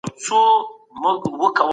د کمېسیون رئیس څنګه ټاکل کېږي؟